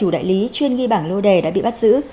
đại lý chuyên nghi bảng lô đề đã bị bắt giữ